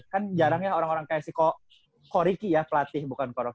kan jarangnya orang orang kayak si ko ricky ya pelatih bukan ko